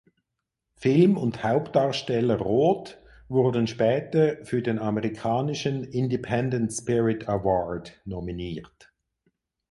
Film und Hauptdarsteller Roth wurden später für den amerikanischen Independent Spirit Award nominiert.